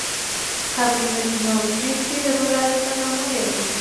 قبرونه چې موجود دي، د ملالۍ په نامه یادیږي.